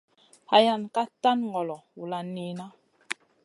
Hayan ka tan ŋolo vulan niyna.